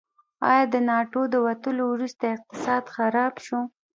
آیا د ناټو د وتلو وروسته اقتصاد خراب شو؟